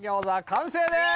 完成でーす！